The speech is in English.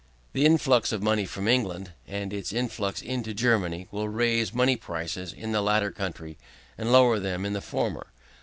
The efflux of money from England, and its influx into Germany, will raise money prices in the latter country, and lower them in the former.